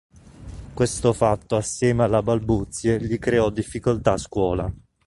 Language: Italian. Questo fatto assieme alla balbuzie gli creò difficoltà a scuola.